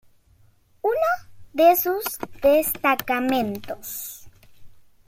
Uno de sus destacamentos estuvo bajo el mando de Lawrence de Arabia.